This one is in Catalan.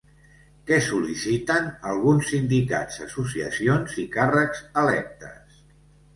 Què sol·liciten alguns sindicats, associacions i càrrecs electes?